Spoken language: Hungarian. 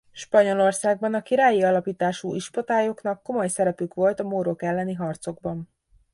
Spanyolországban a királyi alapítású ispotályoknak komoly szerepük volt a mórok elleni harcokban.